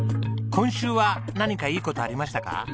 今週は何かいい事ありましたか？